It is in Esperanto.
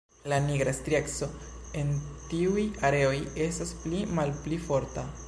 La nigra strieco en tiuj areoj estas pli malpli forta.